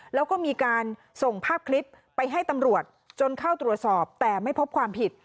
แล้วก็มีการส่งภาพคลิปไปให้ตำรวจจนเข้าตรวจสอบแต่ไม่พบความผิด